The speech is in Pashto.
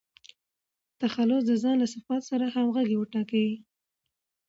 تخلص د ځان له صفاتو سره همږغى وټاکئ!